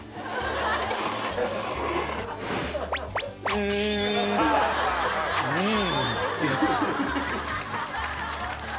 うんうん！